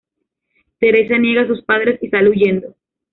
Teresa niega a sus padres y sale huyendo.